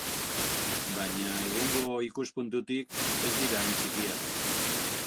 Baina, egungo ikuspuntutik, ez dira hain txikiak.